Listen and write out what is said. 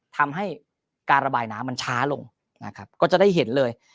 ทำให้การระบายน้ำมันช้าลงนะครับก็จะได้เห็นเลย